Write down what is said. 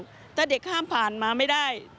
ผู้สื่อข่าวก็ได้ไปคุยกับเพื่อนของน้องที่เสียชีวิต